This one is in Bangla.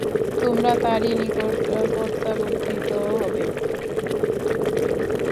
তোমরা তাঁরই নিকট প্রত্যাবর্তিত হবে।